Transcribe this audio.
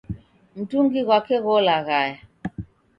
Mutungi ghwake gholaghaya.